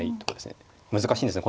難しいんですね